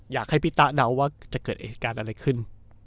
อยากให้พี่ตะเดาว่าจะเกิดเหตุการณ์อะไรขึ้น